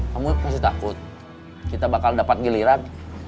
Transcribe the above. kamu pasti takut kita bakal dapat giliran